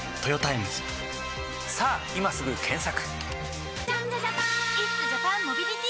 さぁ今すぐ検索！